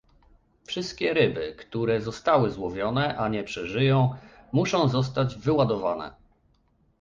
Wszystkie ryby, które zostały złowione, a nie przeżyją, muszą zostać wyładowane